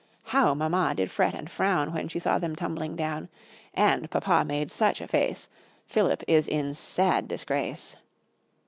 How Mamma did fret and frown, When she saw them tumbling down! And Papa made such a face! Philip is in sad disgrace.